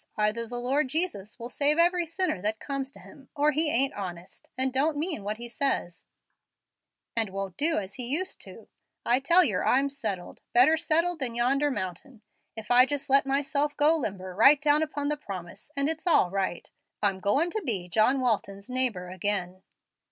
Either the Lord Jesus will save every sinner that comes to Him, or he ain't honest, and don't mean what he says, and won't do as he used to. I tell yer I'm settled, better settled than yonder mountain. I just let myself go limber right down upon the promise, and it's all right. I'm going to be John Walton's neighbor again."